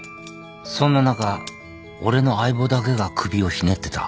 そんな中俺の相棒だけが首をひねってた。